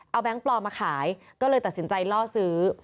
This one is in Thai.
เอาแก๊งปลอมมาขายก็เลยตัดสินใจล่อซื้อ